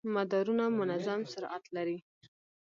مدارونه منظم سرعت لري.